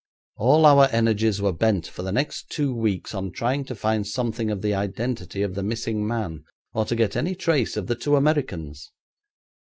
All our energies were bent for the next two weeks on trying to find something of the identity of the missing man, or to get any trace of the two Americans.